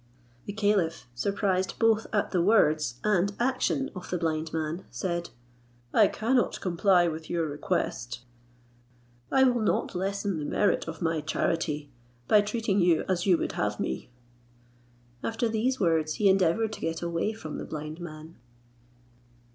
The caliph, surprised both at the words and action of the blind man, said, "I cannot comply with your request. I will not lessen the merit of my charity, by treating you as you would have me." After these words, he endeavoured to get away from the blind man.